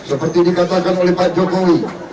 seperti dikatakan oleh pak jokowi